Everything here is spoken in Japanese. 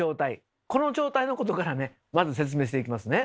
この状態のことからねまず説明していきますね。